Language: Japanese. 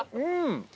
うん！